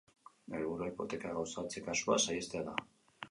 Helburua hipoteka gauzatze-kasuak saihestea da.